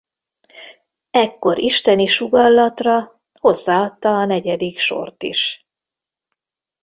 Ekkor isteni sugallatra hozzáadta a negyedik sort is.